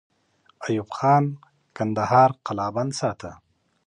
ایوب خان کندهار قلابند ساته.